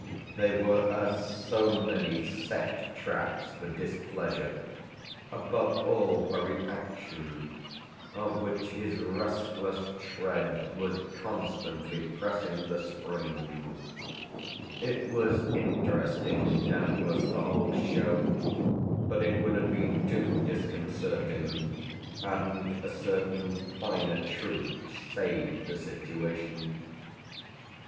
They were as so many set traps for displeasure, above all for reaction, of which his restless tread was constantly pressing the spring. It was interesting, doubtless, the whole show, but it would have been too disconcerting hadn't a certain finer truth saved the situation.